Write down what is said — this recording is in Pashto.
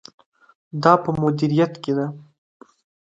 دا په مدیریت کې ده.